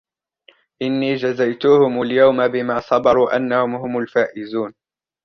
إِنِّي جَزَيْتُهُمُ الْيَوْمَ بِمَا صَبَرُوا أَنَّهُمْ هُمُ الْفَائِزُونَ